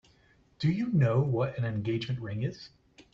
Do you know what an engagement ring is?